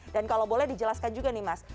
dan kalau boleh dijelaskan juga nih mas